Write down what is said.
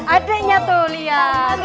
adanya tuh liat